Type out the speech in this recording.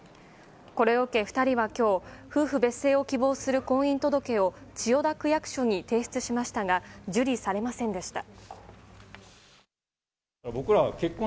これを受け２人は今日夫婦別姓を希望する婚姻届を千代田区役所に提出しましたが受理されませんでした。